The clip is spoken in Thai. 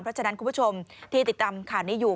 เพราะฉะนั้นคุณผู้ชมที่ติดตามข่าวนี้อยู่